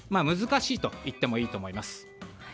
難しいといってもいいと思います。